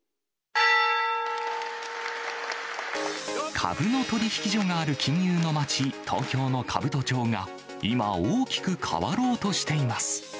株の取引所がある金融の街、東京の兜町が、今、大きく変わろうとしています。